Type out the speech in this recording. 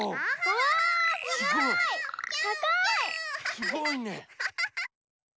すごいね！